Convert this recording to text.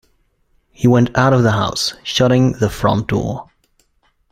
He went out of the house, shutting the front door.